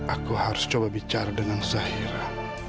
aku harus coba bicara dengan zahira